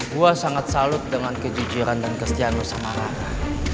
gue sangat salut dengan kejujuran dan kesetiaan lo sama rara